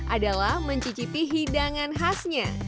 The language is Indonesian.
adalah mencicipi hidangan khasnya